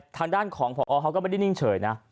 ทางด้านของพอเขาก็ไม่ได้นิ่งเฉยนะ